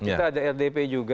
kita ada rdp juga